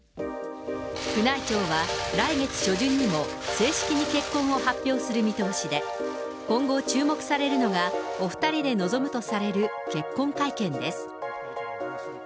宮内庁は、来月初旬にも正式に結婚を発表する見通しで、今後、注目されるのがお２人で臨むとされる結婚会見です。